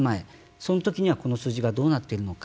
そのときにはこの数字がどうなっているのか。